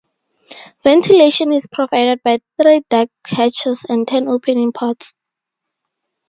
Ventilation is provided by three deck hatches and ten opening ports.